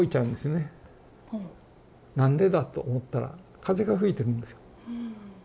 何でだと思ったら風が吹いてるんですよ。